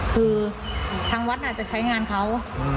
คือทางวัดอาจจะใช้งานเขา